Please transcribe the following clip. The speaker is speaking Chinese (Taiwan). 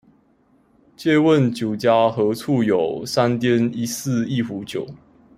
借問酒家何處有，山巔一寺一壺酒